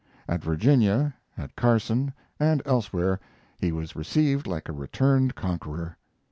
At Virginia, at Carson, and elsewhere he was received like a returned conqueror.